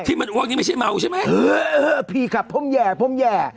ที่มันอ้วกนี้ไม่ใช่เมาใช่ไหมพี่ครับพ่มแห่พ่มแห่